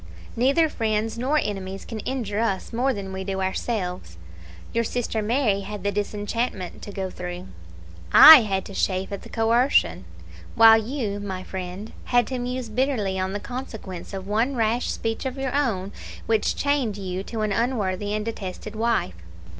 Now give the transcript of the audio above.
neither friends nor enemies can injure us more than we do ourselves. Your sister Mary had the disenchantment to go through; I had to chafe at the coercion; while you, my friend, had to muse bitterly on the consequence of one rash speech of your own, which chained you to an unworthy and detested wife.